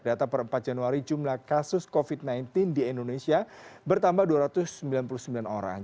data per empat januari jumlah kasus covid sembilan belas di indonesia bertambah dua ratus sembilan puluh sembilan orang